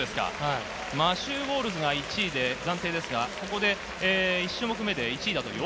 マシュー・ウォールズが１位で暫定ですが、ここで１種目目で１位という。